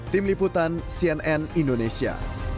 tim liputan cnn indonesia